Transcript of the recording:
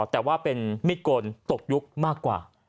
แต่ว่าเป็นมิดกลตกยุคมากกว่า